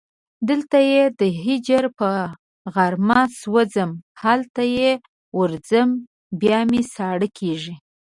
دلته یې د هجر په غارمه سوځم هلته چې ورځم بیا مې ساړه کېږي